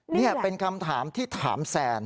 นี่เป็นคำถามที่ถามแซน